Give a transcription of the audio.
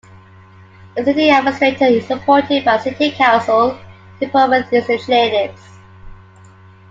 The City Administrator is appointed by the City Council to implement these initiatives.